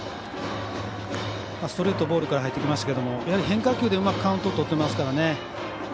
ストレート、ボールから入ってきましたけど変化球でうまくカウントをとってますからね。